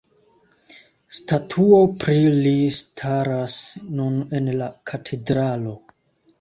Statuo pri li staras nun en la katedralo.